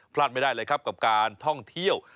พลาดไม่ได้เลยครับกับการท่องเที่ยว